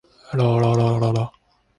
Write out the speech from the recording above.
ดูเหมือนว่าลีน่าลืมเสื้อแจ๊คเก็ต